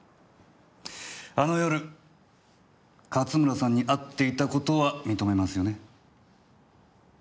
あの夜勝村さんに会っていた事は認めますよね？